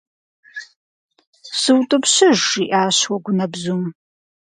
СутӀыпщыж, - жиӀащ Уэгунэбзум.